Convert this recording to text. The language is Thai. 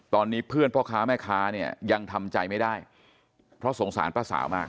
ตอนนี้เพื่อนพ่อค้าแม่ค้าเนี่ยยังทำใจไม่ได้เพราะสงสารป้าสาวมาก